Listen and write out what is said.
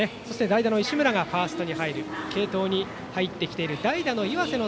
代打の石村がファーストに入る継投に入ってきている。